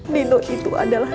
nino itu adalah